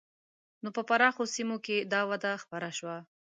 نو په پراخو سیمو کې دا وده خپره شوه.